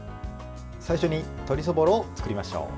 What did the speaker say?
最初に鶏そぼろを作りましょう。